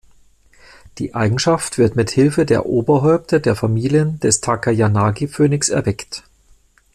Die Eigenschaft wird mit Hilfe der Oberhäupter der Familien des Takayanagi-Phönix erweckt.